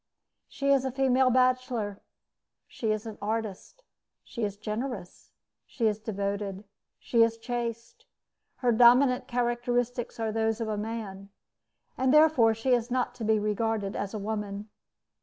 She is a female bachelor. She is an artist. She is generous. She is devoted. She is chaste. Her dominant characteristics are those of a man, and therefore, she is not to be regarded as a woman.